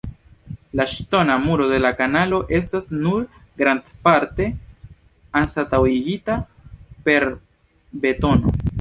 La ŝtona muro de la kanalo estas nun grandparte anstataŭigita per betono.